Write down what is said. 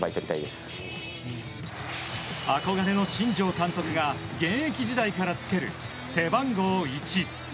憧れの新庄監督が現役時代からつける背番号１。